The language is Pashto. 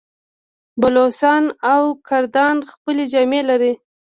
بلوڅان او کردان خپلې جامې لري.